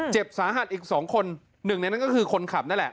เจ็บสาหัสอีกสองคนหนึ่งในนั้นก็คือคนขับนั่นแหละ